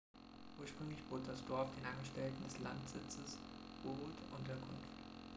Ursprünglich bot das Dorf den Angestellten des Landsitzes Bowood Unterkunft.